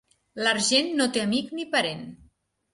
L'argent no té amic ni parent.